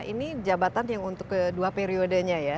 ini jabatan yang untuk kedua periodenya ya